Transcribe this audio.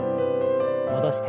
戻して。